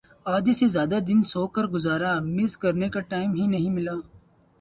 آدھے سے زیادہ دن سو کر گزارا مس کرنے کا ٹائم ہی نہیں ملا